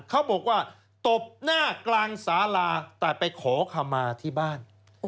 เขาบอกว่าตบหน้ากลางสาลาแต่ไปขอคำมาที่บ้าน